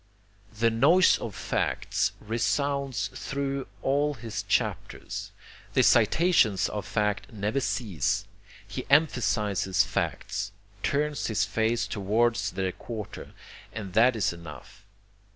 The noise of facts resounds through all his chapters, the citations of fact never cease, he emphasizes facts, turns his face towards their quarter; and that is enough.